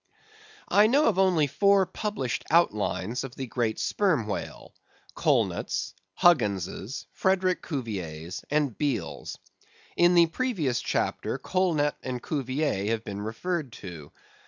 I know of only four published outlines of the great Sperm Whale; Colnett's, Huggins's, Frederick Cuvier's, and Beale's. In the previous chapter Colnett and Cuvier have been referred to.